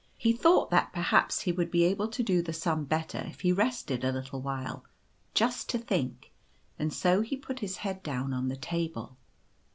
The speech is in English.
He thought that perhaps he would be able to do the sum better if he rested a little while, just to think; and so he put his head down on the table.